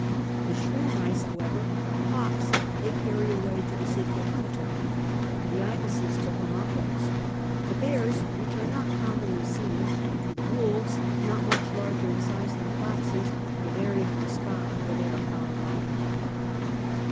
The shrewmice however and the hawks they carry away to the city of Buto, and the ibises to Hermopolis; the bears (which are not commonly seen) and the wolves, not much larger in size than foxes, they bury on the spot where they are found lying.